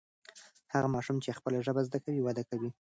هغه ماشوم چې خپله ژبه زده کوي وده کوي.